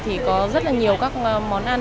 thì có rất là nhiều các món ăn